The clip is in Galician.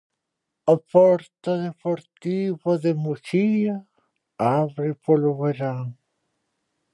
O porto deportivo de Muxía abre polo verán.